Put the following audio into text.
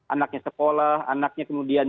anaknya sekolah anaknya kemudian